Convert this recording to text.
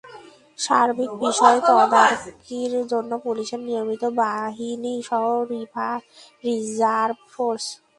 সার্বিক বিষয় তদারকির জন্য পুলিশের নিয়মিত বাহিনীসহ রিজার্ভ ফোর্স মোতায়েন করা হয়েছে।